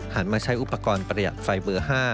มาใช้อุปกรณ์ประหยัดไฟเบอร์๕